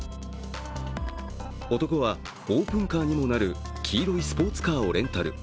男はオープンカーにもなる黄色いスポーツカーをレンタル。